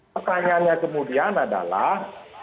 pertanyaannya kemudian adalah